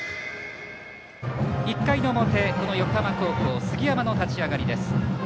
１回の表、横浜高校杉山の立ち上がりです。